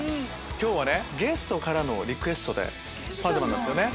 今日はゲストからのリクエストでパジャマなんですよね。